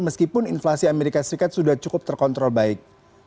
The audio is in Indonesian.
meskipun inflasi amerika serikat sudah cukup terkontrol baik